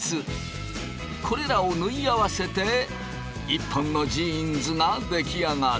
これらを縫い合わせて１本のジーンズが出来上がる。